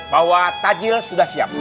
bahwa tajil sudah siap